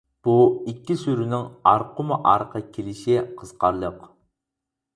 بۇ ئىككى سۈرىنىڭ ئارقىمۇئارقا كېلىشى قىزىقارلىق.